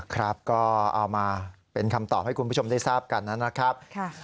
ครับก็เอามาเป็นคำตอบให้คุณผู้ชมได้ทราบกันนะครับ